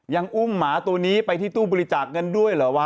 ยังอุ้มหมาตัวนี้ไปที่ตู้บริจาคเงินด้วยเหรอวะ